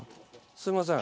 すいません。